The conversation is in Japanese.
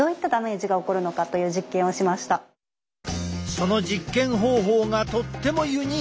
その実験方法がとってもユニーク。